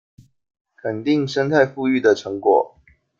肯定生態復育的成果